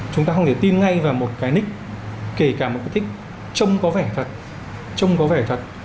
chúng ta không thể tin ngay vào một cái nick kể cả một cái nick trông có vẻ thật